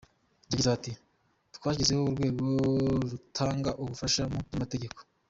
Yagize ati “Twashyizeho urwego rutanga ubufasha mu by’amategeko.